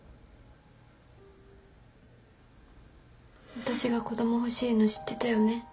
私が子供欲しいの知ってたよね？